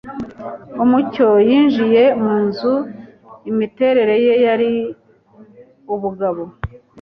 umucyo yinjiye munzu Imiterere ye yari ubugabo